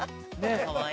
かわいい。